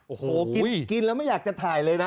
โอ้โหกินแล้วไม่อยากจะถ่ายเลยนะ